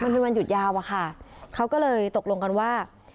มันเป็นวันหยุดยาวอะค่ะเขาก็เลยตกลงกันว่า